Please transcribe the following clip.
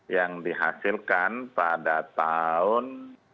yang dihasilkan pada tahun